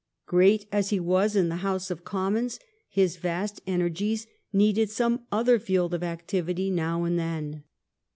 Great as he was in the House of Commons, his vast energies needed some other field of activity now and then.